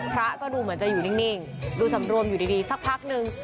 พระก็ดูเหมือนจะอยู่นิ่งดูสำรวมอยู่ดีสักพักนึง